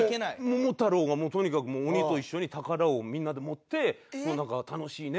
桃太郎がとにかくもう鬼と一緒に宝をみんなで持って楽しいね！